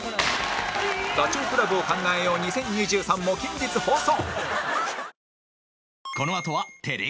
ダチョウ倶楽部を考えよう２０２３も近日放送